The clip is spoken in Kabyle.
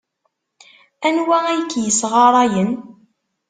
Anwa ay k-yessɣarayen?